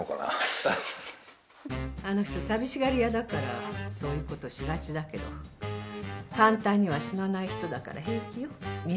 あの人寂しがり屋だからそういうことしがちだけど簡単には死なない人だから平気よ。